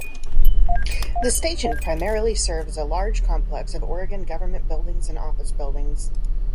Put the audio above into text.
The station primarily serves a large complex of Oregon government buildings and office buildings.